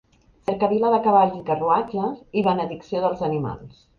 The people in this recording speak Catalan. Cercavila de cavalls i carruatges i benedicció dels animals.